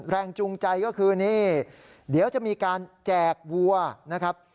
แรงจูงใจก็คือนี่เดี๋ยวจะมีการแจกวัวนะครับ